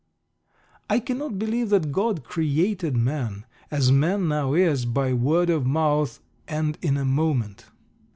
I cannot believe that God "created" man, as man now is, by word of mouth and in a moment.